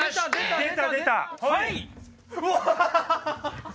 出た出た！